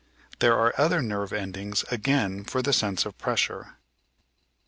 There are other nerve endings again for the sense of pressure.